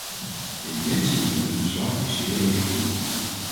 De intentie van dit verslag is zeer legitiem.